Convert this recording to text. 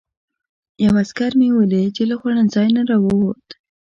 یو عسکر مې ولید چې له خوړنځای نه راووت.